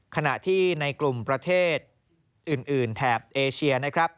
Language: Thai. ขณะที่ในกลุ่มประเทศอื่นแถบเอเชียนะครับ